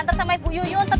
itu rupanya ibu artinya ranjut